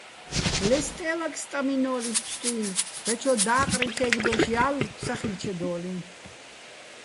ლე სტე́ვაკ სტამჲინო́ლო̆ ის ბსტუჲნო̆, დაჩო და́ყრი თე́გდოშ ჲალლო̆ სა ხილ'ჩედო́ლიჼ.